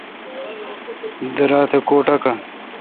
درا تہ کو ٹاکان۔